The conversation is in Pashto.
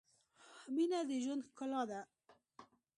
• مینه د ژوند ښکلا ده.